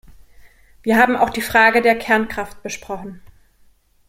Wir haben auch die Frage der Kernkraft besprochen.